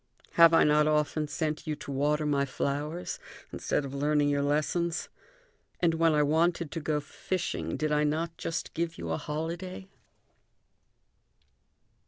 Have I not often sent you to water my flowers instead of learning your lessons? And when I wanted to go fishing, did I not just give you a holiday?"